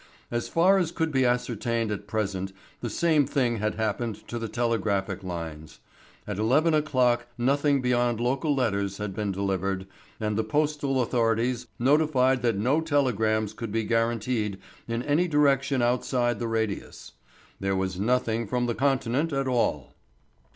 As far as could be ascertained at present the same thing had happened to the telegraphic lines. At eleven o'clock nothing beyond local letters had been delivered, and the postal authorities notified that no telegrams could be guaranteed in any direction outside the radius. There was nothing from the Continent at all.